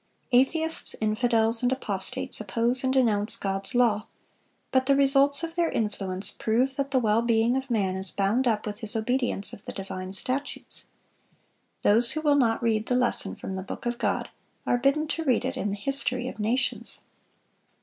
(418) Atheists, infidels, and apostates oppose and denounce God's law; but the results of their influence prove that the well being of man is bound up with his obedience of the divine statutes. Those who will not read the lesson from the book of God, are bidden to read it in the history of nations.